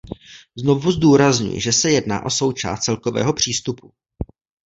Znovu zdůrazňuji, že se jedná o součást celkového přístupu.